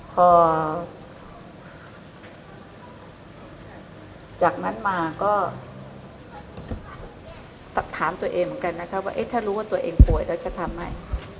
พอจากนั้นมาก็ถามตัวเองเหมือนกันนะคะว่าถ้ารู้ว่าตัวเองป่วยแล้วจะทำไหม